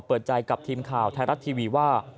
เปิดใจกับทีมข่าวไทยรัฐทีวีว่า